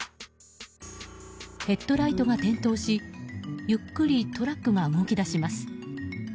ヘッドライトが点灯し、ゆっくりトラックが動き出します。